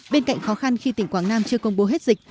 bên cạnh khó khăn khi tỉnh quảng nam chưa công bố hết dịch